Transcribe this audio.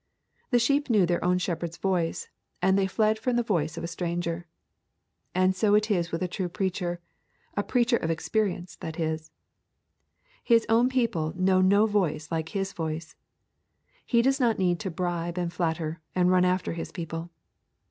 The sheep knew their own shepherd's voice, and they fled from the voice of a stranger. And so it is with a true preacher, a preacher of experience, that is. His own people know no voice like his voice. He does not need to bribe and flatter and run after his people.